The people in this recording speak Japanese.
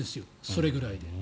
それぐらいで。